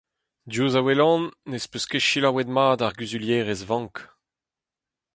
Diouzh a welan ne’z peus ket selaouet mat ar guzulierez vank !